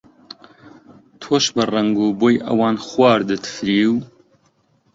تۆش بە ڕەنگ و بۆی ئەوان خواردت فریو؟